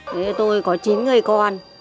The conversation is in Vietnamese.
với tôi có chín người con